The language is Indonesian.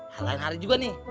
hal lain juga nih